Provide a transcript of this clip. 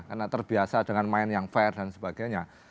karena terbiasa dengan main yang fair dan sebagainya